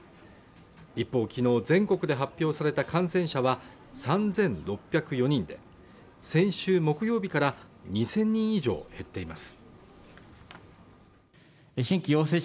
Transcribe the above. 一方昨日全国で発表された感染者は３６０４人で、先週木曜日から２０００人以上減っています。